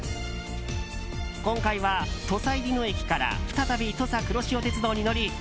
今回は土佐入野駅から再び土佐くろしお鉄道に乗り